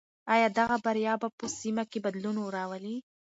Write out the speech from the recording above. آیا دغه بریا به په سیمه کې بدلون راولي؟